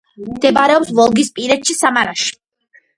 მდებარეობს ვოლგისპირეთში, სამარაში.